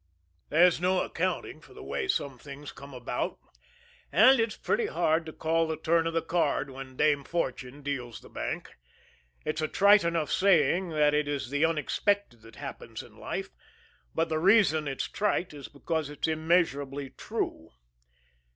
There's no accounting for the way some things come about and it's pretty hard to call the turn of the card when Dame Fortune deals the bank. It's a trite enough saying that it is the unexpected that happens in life, but the reason it's trite is because it's immeasurably true.